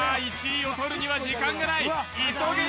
１位をとるには時間がない急げ